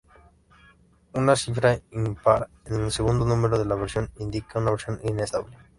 Una cifra impar en el segundo número de la versión indicaba una versión inestable.